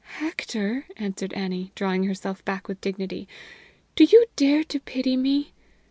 "Hector," answered Annie, drawing herself back with dignity, "do you dare to pity me?